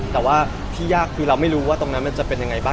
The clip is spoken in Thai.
แต่ว่าที่ยากคือเราไม่รู้ว่าตรงนั้นมันจะเป็นยังไงบ้าง